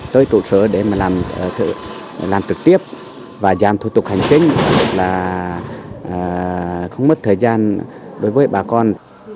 tới trụ sở để mà làm trực tiếp và giảm thủ tục hành chính là không mất thời gian đối với bà con